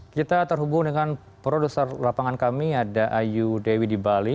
kita terhubung dengan produser lapangan kami ada ayu dewi di bali